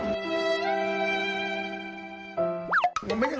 หรือว่างบุญเป็นหมด